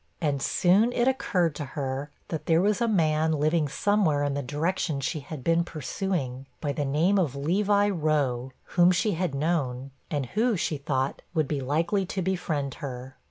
And soon it occurred to her, that there was a man living somewhere in the direction she had been pursuing, by the name of Levi Rowe, whom she had known, and who, she thought, would be likely to befriend her.